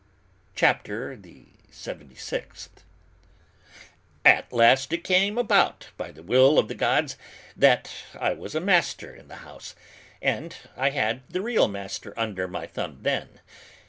CHAPTER THE SEVENTY SIXTH. "At last it came about by the will of the gods that I was master in the house, and I had the real master under my thumb then.